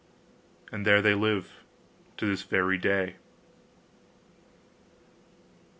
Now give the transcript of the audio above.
And there they live to this very day.